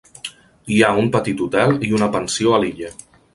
Hi ha un petit hotel i una pensió a l"illa.